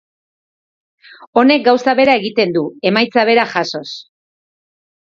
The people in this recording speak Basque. Honek gauza bera egiten du, emaitza bera jasoz.